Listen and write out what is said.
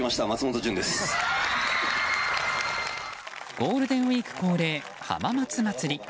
ゴールデンウィーク恒例浜松まつり。